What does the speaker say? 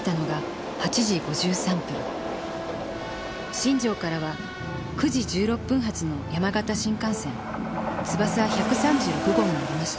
新庄からは９時１６分発の山形新幹線つばさ１３６号に乗りました。